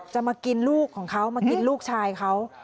มากินลูกของเขามากินลูกชายเขา